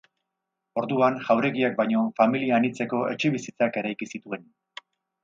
Orduan, jauregiak baino, familia anitzeko etxebizitzak eraiki zituen.